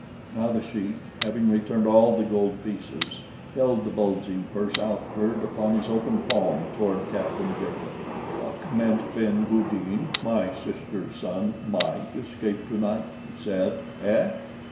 Now the sheik, having returned all the gold pieces, held the bulging purse outward upon his open palm toward Captain Jacot. "Achmet ben Houdin, my sister's son, MIGHT escape tonight," he said. "Eh?"